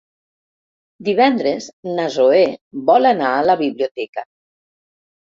Divendres na Zoè vol anar a la biblioteca.